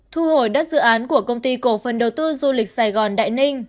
thu hồi đất dự án của công ty cổ phần đầu tư du lịch sài gòn đại ninh